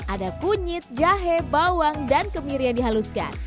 ada kunyit jahe bawang dan kemiri yang dihaluskan